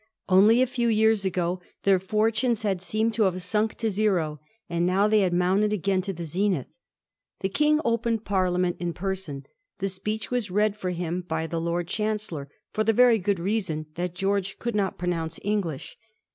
Only a few years ago their fortunes had seemed to have sunk to zero, and now they had mounted again to the zenith. The King opened Parliament in person. The Speech was read for him by the Lord Chancellor, for the very good reason that George could not pronounce English.